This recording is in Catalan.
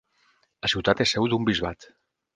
La ciutat és seu d'un bisbat.